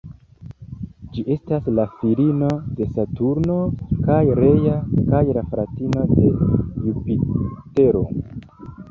Ŝi estas la filino de Saturno kaj Rea kaj la fratino de Jupitero.